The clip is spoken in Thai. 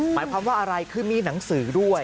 หมายความว่าอะไรคือมีหนังสือด้วย